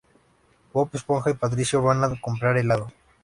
Bob Esponja y Patricio van a comprar helado.